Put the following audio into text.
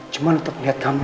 cuma untuk melihat kamu